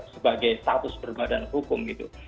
sebagai status berbadan hukum gitu